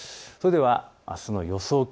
それではあすの予想